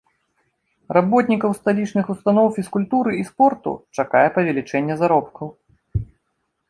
Работнікаў сталічных устаноў фізкультуры і спорту чакае павелічэнне заробкаў.